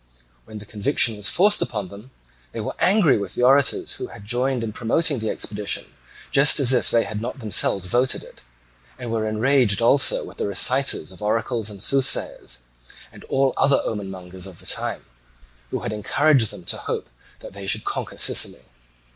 When the conviction was forced upon them, they were angry with the orators who had joined in promoting the expedition, just as if they had not themselves voted it, and were enraged also with the reciters of oracles and soothsayers, and all other omen mongers of the time who had encouraged them to hope that they should conquer Sicily.